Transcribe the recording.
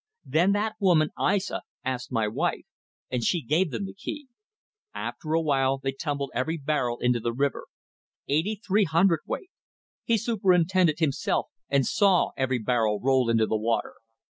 Then that woman Aissa asked my wife, and she gave them the key. After awhile they tumbled every barrel into the river. Eighty three hundredweight! He superintended himself, and saw every barrel roll into the water.